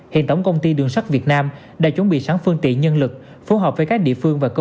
hiện tổng công ty đường sắt việt nam đã chuẩn bị sẵn phương tiện nhân lực phù hợp với các địa phương và cơ sở